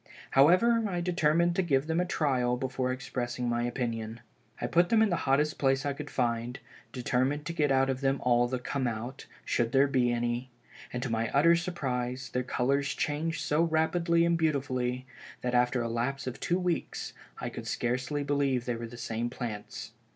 However, I determined to give them a trial before expressing my opinion. I put them in the hottest place I could find, determined to get out of them all the 'come out,' should there be any, and to my utter surprise, their colors changed so rapidly and beautifully, that after a lapse of two weeks, I could scarcely believe they were the same plants.